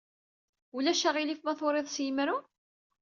Ulac aɣilif ma turid s yemru?